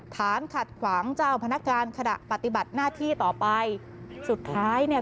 ฐานขัดขวางเจ้าพนักงานขณะปฏิบัติหน้าที่ต่อไปสุดท้ายเนี่ย